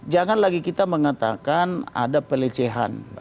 jangan lagi kita mengatakan ada pelecehan